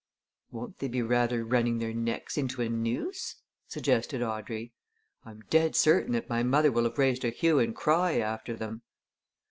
"Won't they be rather running their necks into a noose?" suggested Audrey. "I'm dead certain that my mother will have raised a hue and cry after them."